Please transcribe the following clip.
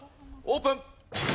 オープン！